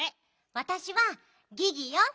わたしはギギよ。